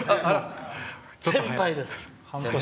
先輩です。